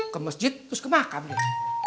ke masjid terus ke makam ya